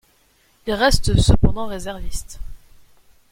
Il reste cependant réserviste.